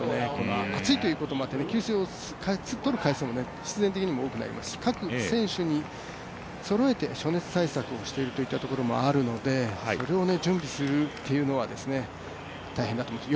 暑いということもあって給水をとる回数も必然的に多くなりますし各選手に合わせて暑熱対策をしているというところもあるのでそれを準備するというのは大変だと思います。